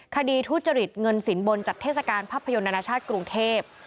ทุจริตเงินสินบนจัดเทศกาลภาพยนตร์นานาชาติกรุงเทพ